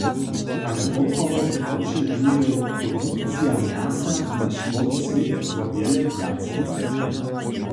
Ale poprawom poćežuje produkcija mjasa naš wobswět wo wjele wjace.